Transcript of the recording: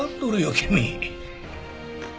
君。